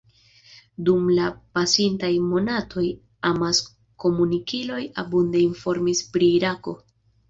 Dum la pasintaj monatoj amas-komunikiloj abunde informis pri Irako.